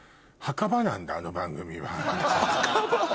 なんだあの番組は。